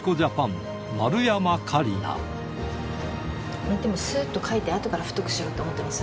これ、すーっと書いて、あとから太くしろって思ってます？